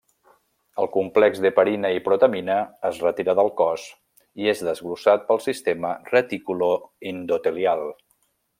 El complex d'heparina i protamina es retira del cos i és desglossat pel sistema reticuloendotelial.